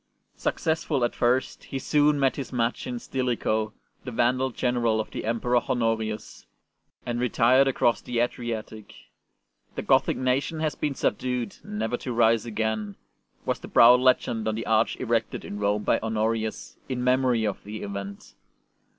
Successful at first, he soon met his match in Stilicho, the Vandal general of the Emperor Honorius, and retired across the Adriatic. '' The Gothic nation has been subdued, never to rise again," was the proud legend on the arch erected in Rome by Honorius in memory of the event.